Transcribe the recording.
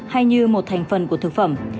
hay như một thành phần của thực phẩm